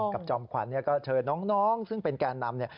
กับจอมขวัญเจอกันน้องซึ่งเป็นแก่อนำ